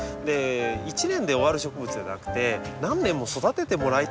一年で終わる植物じゃなくて何年も育ててもらいたい植物ですので。